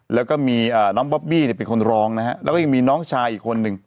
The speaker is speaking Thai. แล้วก็มีน้องบอบบี้เนี่ยเป็นคนร้องนะฮะแล้วก็ยังมีน้องชายอีกคนนึง